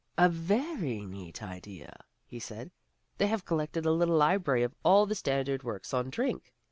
"A very neat idea," he said. "They have collected a little library of all the standard works on drink.